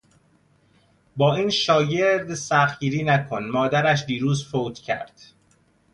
با این شاگرد سخت گیری نکن، مادرش دیروز فوت کرد.